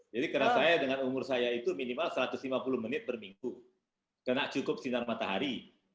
jadi karena saya dengan umur saya itu minimal satu ratus lima puluh menit berminggu karena cukup sinar matahari